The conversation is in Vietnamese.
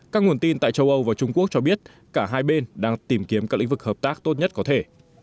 các nguồn tin tại châu âu và trung quốc cho biết cả hai bên đang tìm kiếm các lĩnh vực hợp tác tốt nhất có thể